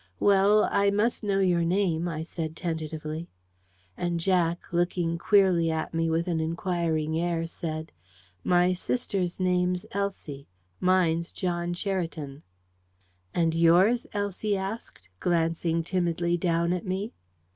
"Well, I must know your name," I said tentatively. And Jack, looking queerly at me with an inquiring air, said: "My sister's name's Elsie; mine's John Cheriton." "And yours?" Elsie asked, glancing timidly down at me.